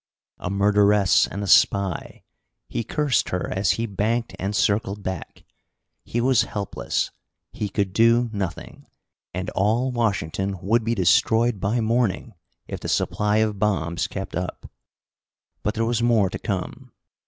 A murderess and a spy! He cursed her as he banked and circled back. He was helpless. He could do nothing. And all Washington would be destroyed by morning, if the supply of bombs kept up. But there was more to come.